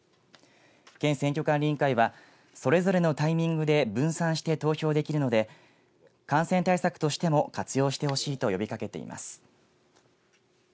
県選挙管理委員会はそれぞれのタイミングで分散して投票できるので感染対策としても活用してほしいと呼びかけています。